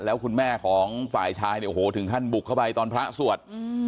แล้วคุณแม่ของฝ่ายชายเนี่ยโอ้โหถึงขั้นบุกเข้าไปตอนพระสวด